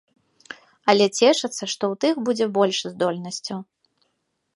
Але цешацца, што ў тых будзе больш здольнасцяў.